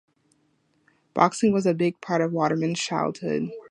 Boxing was a big part of Waterman's childhood.